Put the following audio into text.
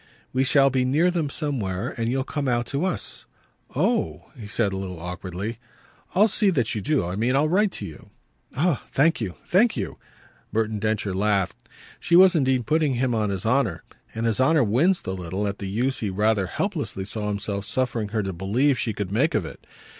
"We shall be near them somewhere, and you'll come out to us." "Oh!" he said a little awkwardly. "I'll see that you do. I mean I'll write to you." "Ah thank you, thank you!" Merton Densher laughed. She was indeed putting him on his honour, and his honour winced a little at the use he rather helplessly saw himself suffering her to believe she could make of it.